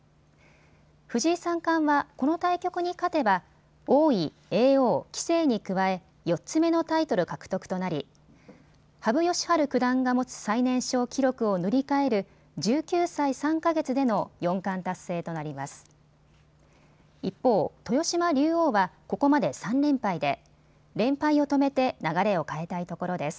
藤井三冠はこの対局に勝てば王位、叡王、棋聖に加え４つ目のタイトル獲得となり羽生善治九段が持つ最年少記録を塗り替える１９歳３か月での四冠達成となります。